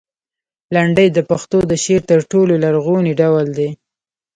لنډۍ د پښتو د شعر تر ټولو لرغونی ډول دی.